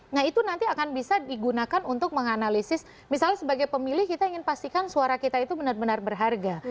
nah itu nanti akan bisa digunakan untuk menganalisis misalnya sebagai pemilih kita ingin pastikan suara kita itu benar benar berharga